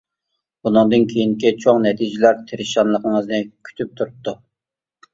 بۇنىڭدىن كېيىنكى چوڭ نەتىجىلەر تىرىشچانلىقىڭىزنى كۈتۈپ تۇرۇپتۇ.